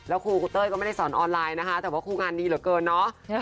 แล้วครูครูเต้ยก็ไม่ได้สอนออนไลน์นะคะแต่ว่าครูงานดีเหลือเกินเนาะ